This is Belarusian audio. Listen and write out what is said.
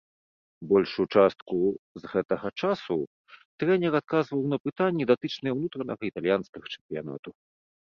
Большую частку з гэтага часу трэнер адказваў на пытанні, датычныя унутранага італьянскага чэмпіянату.